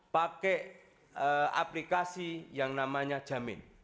pakai aplikasi yang namanya jamin